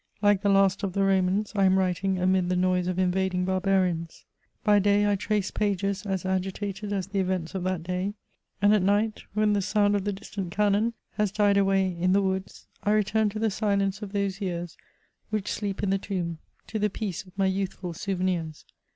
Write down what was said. Like the last of the Romans, I am writing amid the noise of invading barbarians. By day I trace pages'*' as agitated to the events of that day ; and at night, when the sound of the distant cannon has died away in the woods, I return to the silence of those years which sleep in the. tomb, to the peace, of tny youthful souvenirs.